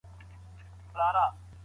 ټولنه بدلېدله.